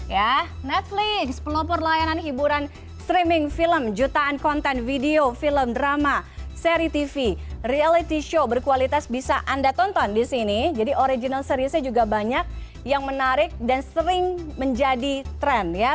ya netflix pelopor layanan hiburan streaming film jutaan konten video film drama seri tv reality show berkualitas bisa anda tonton di sini jadi original seriesnya juga banyak yang menarik dan sering menjadi tren ya